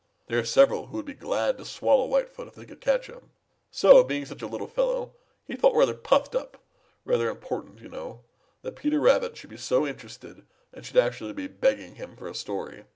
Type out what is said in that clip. There are several who would be glad to swallow Whitefoot if they could catch him. So, being such a little fellow, he felt rather puffed up, rather important, you know, that Peter Rabbit should be so interested and should actually be begging him for a story.